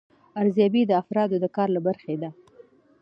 ارزیابي د افرادو د کار له برخې ده.